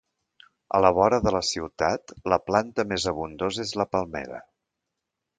A la vora de la ciutat la planta més abundosa és la palmera.